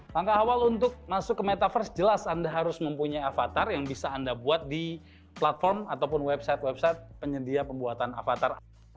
langkah awal untuk masuk ke metaverse jelas anda harus mempunyai avatar yang bisa anda buat di platform ataupun website website penyedia pembuatan avatar